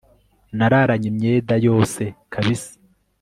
nararanye imyeda yose kabisa